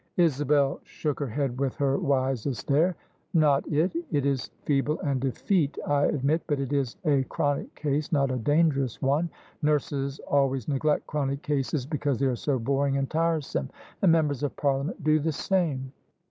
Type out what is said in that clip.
Isabel shook her head with her wisest air. " Not it: it is feeble and effete, I admit, but it is a chronic case — ^not a dangerous one. Nurses always neglect chronic cases because they are so boring and tiresome; and members of Parliament do the same."